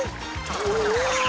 うわ！